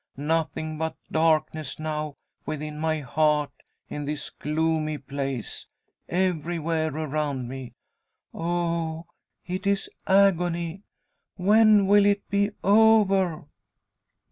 Nothing but darkness now; within my heart, in this gloomy place, everywhere around me! Oh, it is agony! When will it be over?"